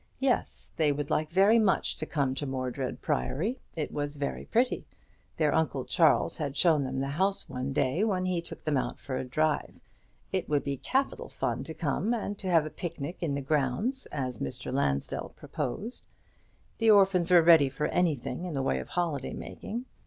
Yes; they would like very much to come to Mordred Priory; it was very pretty; their Uncle Charles had shown them the house one day when he took them out for a drive. It would be capital fun to come, and to have a picnic in the grounds, as Mr. Lansdell proposed. The orphans were ready for anything in the way of holiday making.